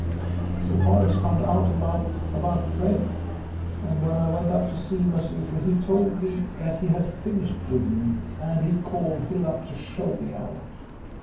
Sir Horace found out about about Fred and when I went up to see him as usual, he told me that he had finished with me and he called Hill up to show me out.